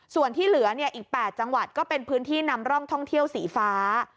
ส่วนที่เหลืออีก๘จังหวัดก็เป็นพื้นที่นำร่องท่องเที่ยวสีฟ้า